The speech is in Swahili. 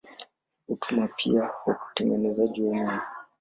Hutumiwa pia kwa utengenezaji wa umeme.